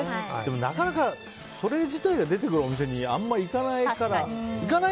なかなかそれ自体が出てくるお店にあまり行かない。